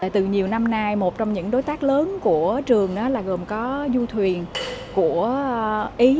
từ nhiều năm nay một trong những đối tác lớn của trường đó là gồm có du thuyền của ý